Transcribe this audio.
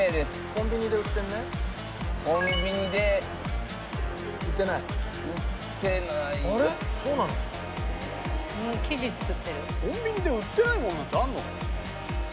コンビニで売ってないものなんてあるの？